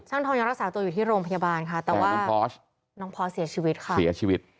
ทองยังรักษาตัวอยู่ที่โรงพยาบาลค่ะแต่ว่าน้องพอสเสียชีวิตค่ะเสียชีวิต